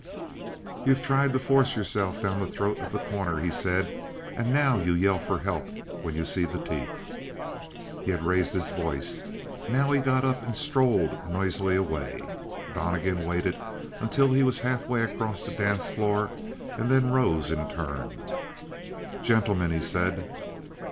"You've tried to force yourself down the throat of The Corner," he said, "and now you yell for help when you see the teeth." He had raised his voice. Now he got up and strode noisily away. Donnegan waited until he was halfway across the dance floor and then rose in turn. "Gentlemen," he said.